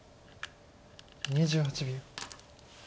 ２８秒。